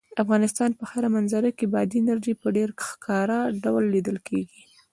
د افغانستان په هره منظره کې بادي انرژي په ډېر ښکاره ډول لیدل کېږي.